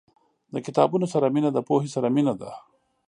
• د کتابونو سره مینه، د پوهې سره مینه ده.